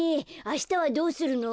あしたはどうするの？